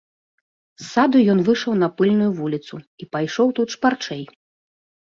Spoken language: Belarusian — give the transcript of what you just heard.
З саду ён выйшаў на пыльную вуліцу і пайшоў тут шпарчэй.